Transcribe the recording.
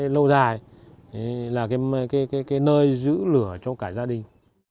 lâu dài là cái nơi giữ lửa cho cả gia đình